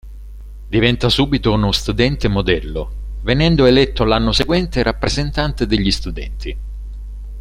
Diventa subito uno studente modello, venendo eletto l'anno seguente rappresentante degli studenti.